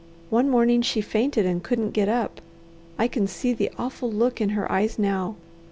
One morning she fainted and couldn't get up. I can see the awful look in her eyes now.